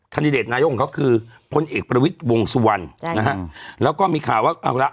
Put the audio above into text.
ดิเดตนายกของเขาคือพลเอกประวิทย์วงสุวรรณจ้นะฮะแล้วก็มีข่าวว่าเอาละ